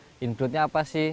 nah include nya apa sih